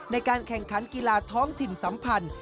ในการแข่งขันกีฬาท้องถิ่นสัมพันธ์